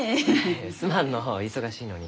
すまんのう忙しいのに。